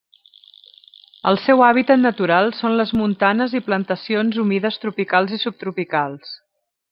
El seu hàbitat natural són les montanes i plantacions humides tropicals i subtropicals.